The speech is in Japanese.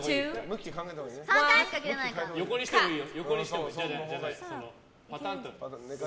横にしてもいいよ。